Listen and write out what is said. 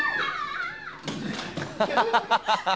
ハハハハッ！